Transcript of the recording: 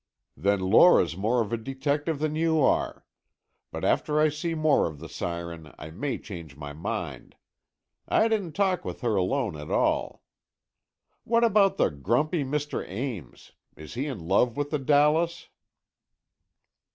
"Then Lora's more of a detective than you are. But after I see more of the siren, I may change my mind. I didn't talk with her alone at all. What about the grumpy Mr. Ames? Is he in love with the Dallas?"